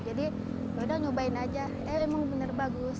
jadi yaudah nyobain aja eh emang bener bagus